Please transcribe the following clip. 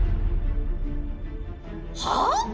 はあ⁉